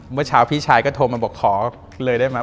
เมื่อเช้าพี่ชายก็โทรมาบอกขอเลยได้ไหม